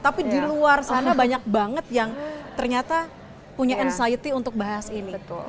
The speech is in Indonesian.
tapi di luar sana banyak banget yang ternyata punya excite untuk bahas ini